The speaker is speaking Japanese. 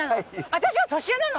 私が年上なの？